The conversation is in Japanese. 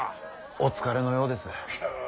お疲れのようです。